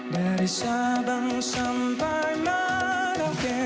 dari sabang sampai merauke